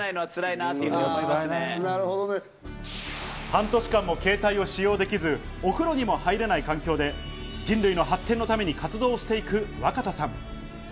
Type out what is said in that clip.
半年間も携帯を使用できず、お風呂にも入れない環境で人類の発展のために活動していく若田さん。